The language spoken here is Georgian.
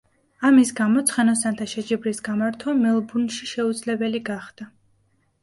ამის გამო ცხენოსანთა შეჯიბრის გამართვა მელბურნში შეუძლებელი გახდა.